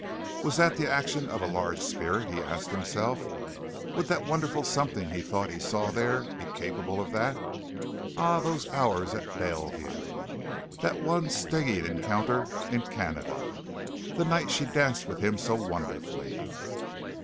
Was that the action of a large spirit? he asked himself. Would the wonderful something he thought he saw there be capable of that? Ah, those hours at Daleview that one stinging encounter in Canada! the night she danced with him so wonderfully!